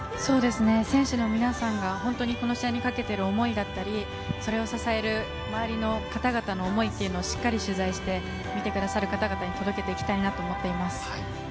選手のみなさんがこの試合に懸けている思いだったり、それを支える周りの方々の思いをしっかりと取材して見てくださる方に届けていきたいと思っています。